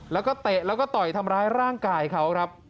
แล้วก็เตะแล้วก็ต่อยทำร้ายร่างกายเขาครับ